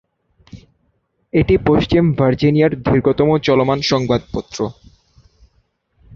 এটি পশ্চিম ভার্জিনিয়ার দীর্ঘতম চলমান সংবাদপত্র।